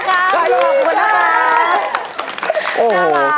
ขอบคุณด้วยนะคะ